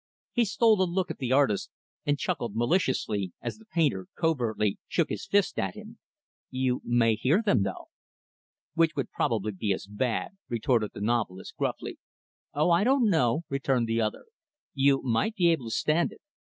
He stole a look at the artist, and chuckled maliciously as the painter covertly shook his fist at him. "You may hear them though." "Which would probably be as bad," retorted the novelist, gruffly. "Oh, I don't know!" returned the other. "You might be able to stand it.